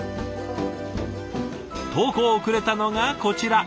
投稿をくれたのがこちら。